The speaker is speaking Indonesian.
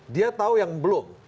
dia tahu yang belum